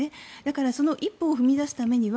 その一歩を踏み出すためには